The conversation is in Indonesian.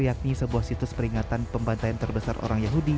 yakni sebuah situs peringatan pembantaian terbesar orang yahudi